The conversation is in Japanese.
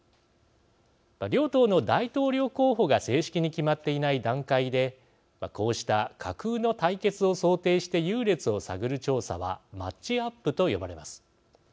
両党の大統領候補が正式に決まっていない段階でこうした架空の対決を想定して優劣を探る調査はマッチアップと呼ばれます。